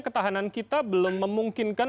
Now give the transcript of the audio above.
ketahanan kita belum memungkinkan